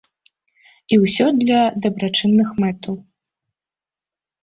І ўсё для дабрачынных мэтаў.